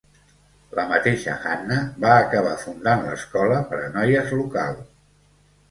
La mateixa Hannah va acabar fundant l'escola per a noies local.